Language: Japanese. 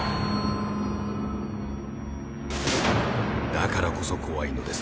だからこそ怖いのです。